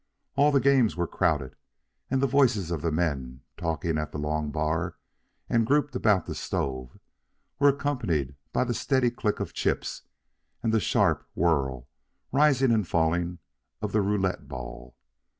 All the games were crowded, and the voices of the men talking at the long bar and grouped about the stove were accompanied by the steady click of chips and the sharp whir, rising and falling, of the roulette ball.